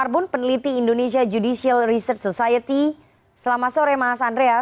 selamat sore mbak nana thank you